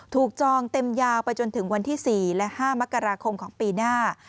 จองเต็มยาวไปจนถึงวันที่๔และ๕มกราคมของปีหน้า